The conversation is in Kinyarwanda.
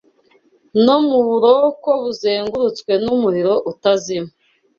no muburoko buzengurutswe numuriro utazima